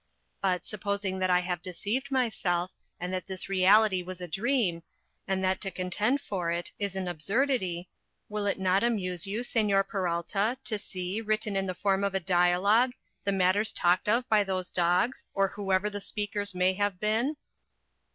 But, supposing that I have deceived myself, and that this reality was a dream, and that to contend for it is an absurdity, will it not amuse you, Señor Peralta, to see, written in the form of a dialogue, the matters talked of by those dogs, or whoever the speakers may have been?